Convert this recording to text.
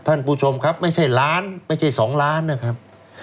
ท่านผู้ชมครับไม่ใช่ล้านไม่ใช่๒ล้านนะครับ